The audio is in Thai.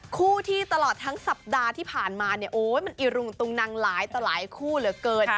คู่ที่ตลอดทั้งสัปดาห์ที่ผ่านมาเนี่ยโอ๊ยมันอิรุงตุงนังหลายต่อหลายคู่เหลือเกิน